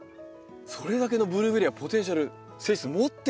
それだけのブルーベリーはポテンシャル性質を持ってると。